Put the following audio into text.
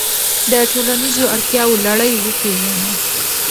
د ټولنیزو اړتیاوو لړۍ وپیژنه.